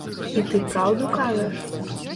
І ты праўду кажаш?